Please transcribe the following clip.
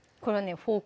フォーク